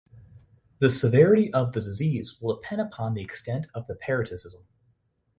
The severity of the disease will depend upon the extent of the parasitism.